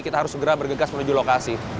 kita harus segera bergegas menuju lokasi